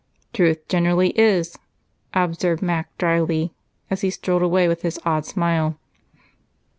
"Truth generally is," observed Mac dryly as he strolled away with his odd smile.